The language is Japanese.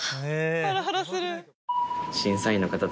ハラハラする。